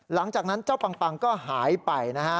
หลังจากนั้นเจ้าปังก็หายไปนะฮะ